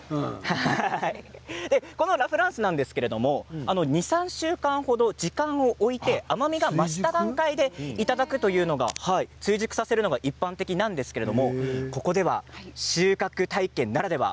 ラ・フランスなんですが２、３週間程、時間を置いて甘みが増した段階でいただくというのが追熟させるのが一般的なんですがここでは収穫体験ならでは。